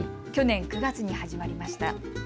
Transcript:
去年９月に始まりました。